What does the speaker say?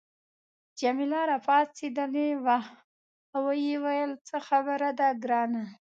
جميله راپاڅیدلې وه او ویې ویل څه خبره ده ګرانه.